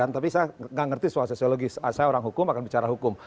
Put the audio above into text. tapi saya nggak ngerti soal sosiologis saya orang hukum akan bicara hukum